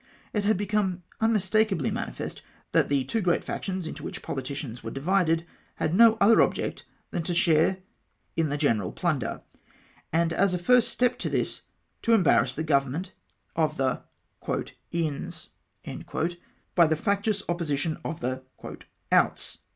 It had become unmistakeably manifest that the two great factions into which politicians were divided had no other object than to share in the general 220 ■ VIRULENT RECIIIMIXATIOJVS. plunder, and, as a first step to this, to embarrass the government of the " ins " by the factious opposition of the " outs.''